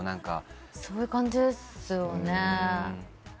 そういう感じですよね。